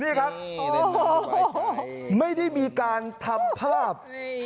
นี่ครับไม่ได้มีการทำภาพ